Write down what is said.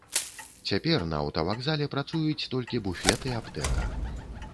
Цяпер на аўтавакзале працуюць толькі буфет і аптэка.